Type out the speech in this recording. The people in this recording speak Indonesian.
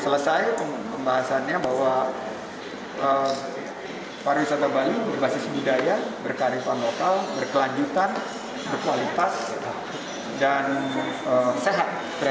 selesai pembahasannya bahwa pariwisata bali berbasis budaya berkarifan lokal berkelanjutan berkualitas dan sehat